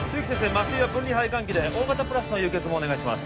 麻酔は分離肺換気でＯ型プラスの輸血もお願いします